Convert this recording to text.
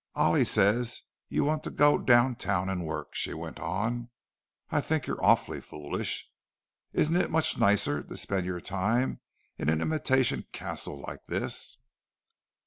"Ollie says you want to go down town and work," she went on. "I think you're awfully foolish. Isn't it much nicer to spend your time in an imitation castle like this?"